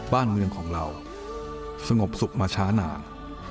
บ้านเมืองของเราสงบสุขมาช้านาน